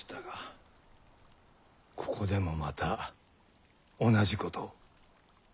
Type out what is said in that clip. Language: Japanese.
ここでもまた同じことを。